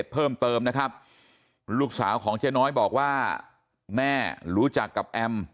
เพิ่มเติมนะครับลูกสาวของเจ๊น้อยบอกว่าแม่รู้จักกับแอม